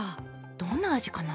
どんな味かな？